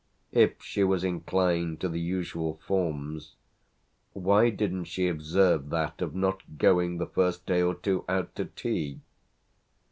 If she was inclined to the usual forms why didn't she observe that of not going the first day or two out to tea?